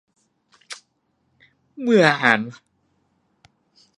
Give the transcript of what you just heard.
เบื่ออาหาร